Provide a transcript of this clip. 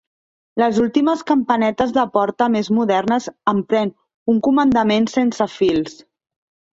Les últimes campanetes de porta més modernes empren un comandament sense fils.